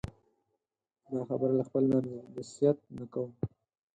دا خبره له خپل نرګسیت نه کوم.